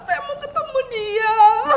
saya mau ketemu dia